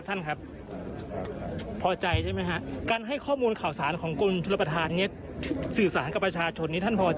วันที่๕จะซ่อมเสร็จด้วยครับ